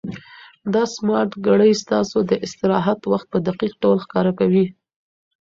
دا سمارټ ګړۍ ستاسو د استراحت وخت په دقیق ډول ښکاره کوي.